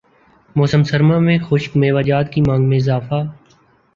موسم سرما میں خشک میوہ جات کی مانگ میں اضافہ